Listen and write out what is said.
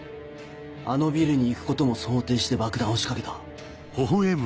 あのビルに行くことも想定して爆弾を仕掛けた。